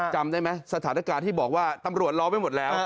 จำได้ไหมสถานการณ์ที่บอกว่าตำรวจล้อไว้หมดแล้ว